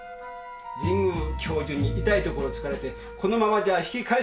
神宮教授に痛いところを突かれてこのままじゃ引き返せなかった。